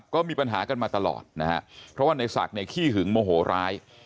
ก็มีปัญหากันมาตลอดนะฮะเพราะว่าในศักดิ์เนี่ยขี้หึงโมโหร้าย